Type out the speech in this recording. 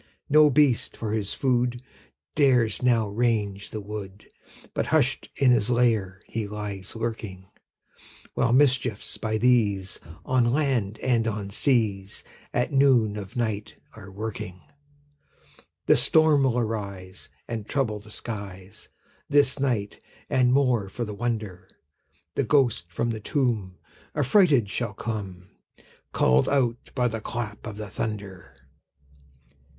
No beast, for his food, Dares now range the wood, But hush'd in his lair he lies lurking; While mischiefs, by these, On land and on seas, At noon of night are a working. The storm will arise, And trouble the skies This night; and, more for the wonder, The ghost from the tomb Affrighted shall come, Call'd out by the clap of the thunder.